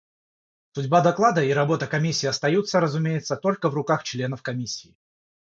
Судьба доклада и работа Комиссии остаются, разумеется, только в руках членов Комиссии.